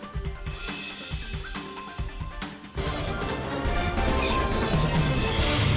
berita terkini sampai jumpa lagi